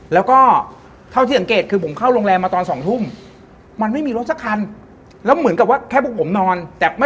แล้วก็ไปถึงบ้านเราก็อาบน้ำอาบถ่าย